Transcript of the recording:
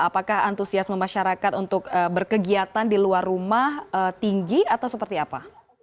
apakah antusiasme masyarakat untuk berkegiatan di luar rumah tinggi atau seperti apa